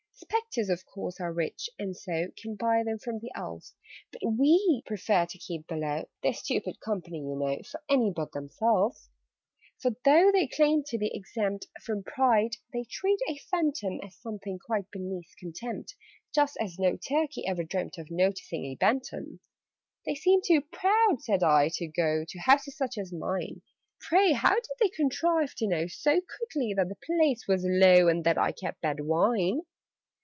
"Spectres of course are rich, and so Can buy them from the Elves: But we prefer to keep below They're stupid company, you know. For any but themselves: "For, though they claim to be exempt From pride, they treat a Phantom As something quite beneath contempt Just as no Turkey ever dreamt Of noticing a Bantam." "They seem too proud," said I, "to go To houses such as mine. Pray, how did they contrive to know So quickly that 'the place was low,' And that I 'kept bad wine'?"